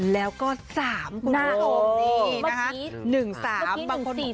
๑แล้วก็๓คุณผู้ชม